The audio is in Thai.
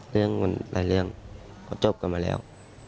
เรื่องมันหลายเรื่องเขาจบกันมาแล้ว